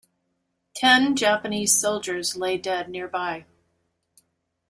Ten Japanese soldiers lay dead nearby.